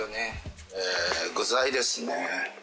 具材ですね。